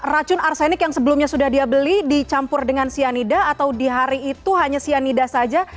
racun arsenik yang sebelumnya sudah dia beli dicampur dengan cyanida atau di hari itu hanya cyanida saja